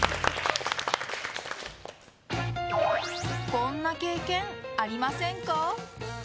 こんな経験ありませんか？